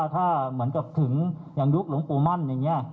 ถ้าเหมือนกับถึงอย่างยุคหลวงปู่มั่นอย่างนี้